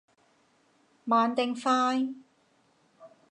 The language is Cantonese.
慢定快？